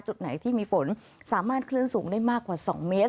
จุดไหนที่มีฝนสามารถคลื่นสูงได้มากกว่า๒เมตร